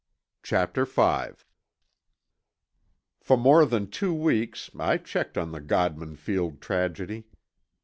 CHAPTER V For more than two weeks, I checked on the Godman Field tragedy.